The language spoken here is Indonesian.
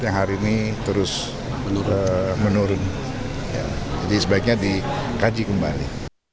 yang hari ini terus menurun jadi sebaiknya dikaji kembali